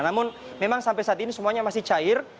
namun memang sampai saat ini semuanya masih cair